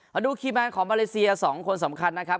ประดูกที่แม่งของมาเลเซีย๒คนสำคัญนะครับ